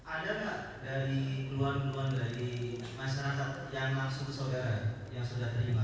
ada gak dari peluan peluan dari masyarakat yang masuk ke saudara yang sudah terima